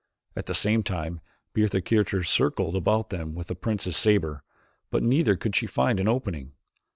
At the same time Bertha Kircher circled about them with the prince's saber, but neither could she find an opening.